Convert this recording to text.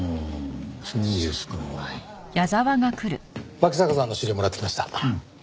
脇坂さんの資料もらってきました。